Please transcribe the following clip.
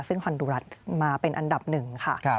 ซึ่งฮอนดูรัตน์มาเป็นอันดับ๑ค่ะ